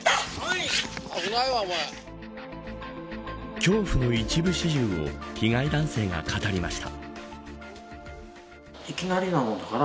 恐怖の一部始終を被害男性が語りました。